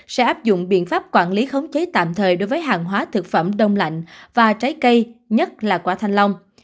sẽ áp dụng biện pháp quản lý khống chế tạm thời đối với hàng hóa thực phẩm đông lạnh và trái cây nhất là quả thanh long